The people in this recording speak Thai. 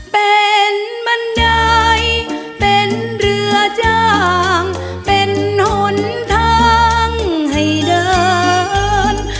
เป็นบันไดเป็นเรือจ้างเป็นหนทางให้เดิน